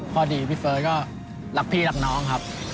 พอดีพี่เฟิร์สก็รักพี่รักน้องครับ